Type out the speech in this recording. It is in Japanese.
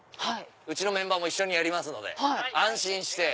うちのメンバーも一緒にやりますので安心して。